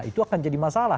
itu akan jadi masalah